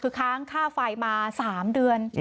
คือค้างค่าไฟมา๓เดือน